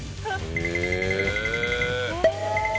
へえ。